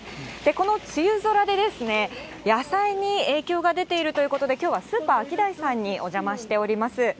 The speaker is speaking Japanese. この梅雨空で、野菜に影響が出ているということで、きょうはスーパーアキダイさんにお邪魔しております。